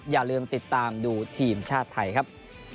อย่าลืมติดตามดูทีมชาติไทยครับ